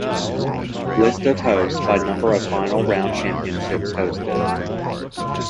List of hosts by number of final round championships hosted.